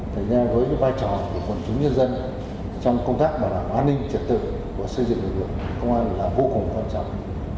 thế nên với vai trò của quần chúng nhân dân trong công tác mà là an ninh trật tự của xây dựng lực lượng công an là vô cùng quan trọng